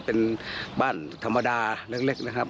เป็นบ้านธรรมดาเล็กนะครับ